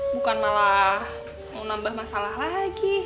bukan malah mau nambah masalah lagi